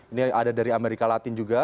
ini ada dari amerika latin juga